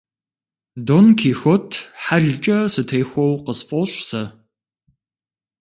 Дон Кихот хьэлкӀэ сытехуэу къысфӀощӀ сэ.